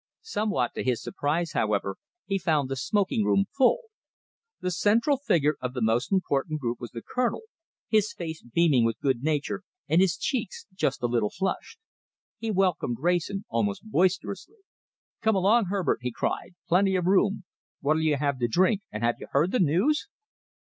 Somewhat to his surprise, however, he found the smoking room full. The central figure of the most important group was the Colonel, his face beaming with good nature, and his cheeks just a little flushed. He welcomed Wrayson almost boisterously. "Come along, Herbert," he cried. "Plenty of room. What'll you have to drink, and have you heard the news?"